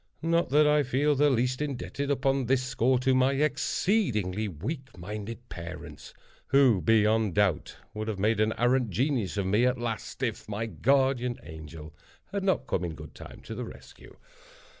Not that I feel the least indebted, upon this score, to my exceedingly weak minded parents, who, beyond doubt, would have made an arrant genius of me at last, if my guardian angel had not come, in good time, to the rescue.